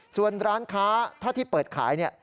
ส่วนร้านค้าถ้าที่เปิดขาย